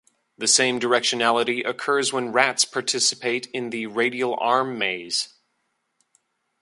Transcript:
The same directionality occurs when rats participate in the radial arm maze.